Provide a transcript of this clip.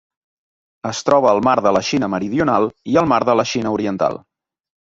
Es troba al Mar de la Xina Meridional i al Mar de la Xina Oriental.